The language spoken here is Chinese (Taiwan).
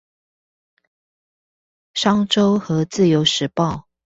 商周和自由時報